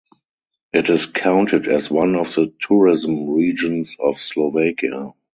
It is counted as one of the Tourism Regions of Slovakia.